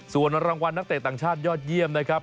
ส่วนรางวัลนักเตะต่างชาติยอดเยี่ยมนะครับ